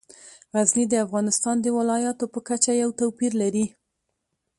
غزني د افغانستان د ولایاتو په کچه یو توپیر لري.